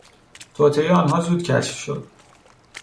توطئهی آنها زود کشف شد.